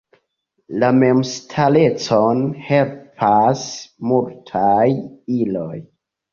La memstarecon helpas multaj iloj.